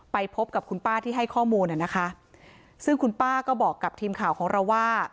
ไปพบกับคุณป้าที่ให้ข้อมูลน่ะนะคะซึ่งคุณป้าก็บอกกับทีมข่าวของเราว่า